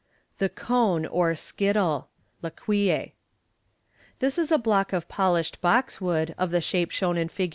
The Cone, or Skittle. (Laquille). — This is a block of polished box wood, of the shape shown in Fig.